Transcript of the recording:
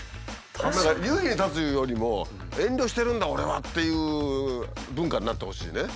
何か優位に立つよりも遠慮してるんだ俺はっていう文化になってほしいね。